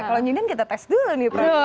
kalo nyindan kita tes dulu nih